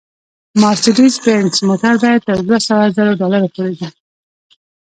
مارسېډیز بینز موټر بیه تر دوه سوه زرو ډالرو پورې ده